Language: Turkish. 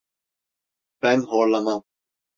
Ben horlamam.